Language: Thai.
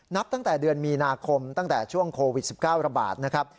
นับตั้งแต่เดือนมีนาคมตั้งแต่ช่วงโควิด๑๙ระบาดนะครับ